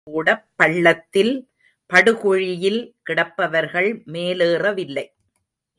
குறிப்பிட்ட சாதிகளில் கூடப் பள்ளத்தில், படுகுழியில் கிடப்பவர்கள் மேலேறவில்லை.